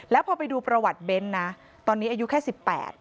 แล้วพอไปดูประวัติเบนตอนนี้อายุแค่๑๘